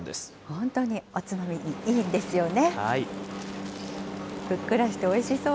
本当に、おつまみにいいんですよね。